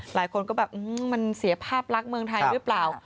หลายคนก็แบบมันเสียภาพลักษณ์เมืองไทยหรือเปล่า